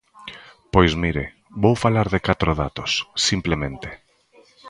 Pois mire, vou falar de catro datos, simplemente.